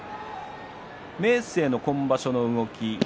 明生の今場所の動き